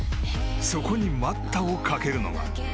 そこに待ったをかけるのが。